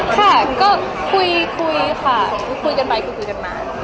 ค่ะก็คุยคุยค่ะคุยไปคุยกันมา